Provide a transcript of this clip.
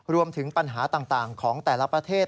รวมถึงปัญหาต่างของแต่ละประเทศ